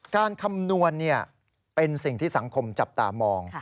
คำนวณเป็นสิ่งที่สังคมจับตามอง